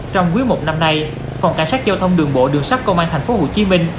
trong quý một năm nay phòng cảnh sát giao thông đường bộ đường sắt công an tp hcm